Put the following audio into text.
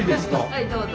はいどうぞ。